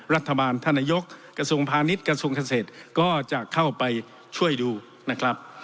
รัฐบาลธนยกกสุงภานิชย์กศสก็จะเข้าไปช่วยดูนะครับ